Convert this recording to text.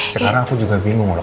sekarang aku juga bingung